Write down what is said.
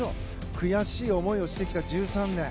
悔しい思いをしてきた１３年。